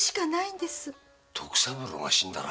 徳三郎が死んだら。